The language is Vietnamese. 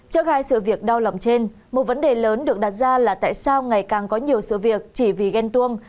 trước hai sự việc đau lòng trên một vấn đề lớn được đặt ra là tại sao ngày càng có nhiều sự việc chỉ vì ghen tuông